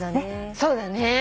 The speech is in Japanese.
そうだね。